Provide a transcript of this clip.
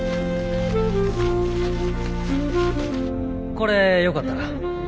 これよかったら。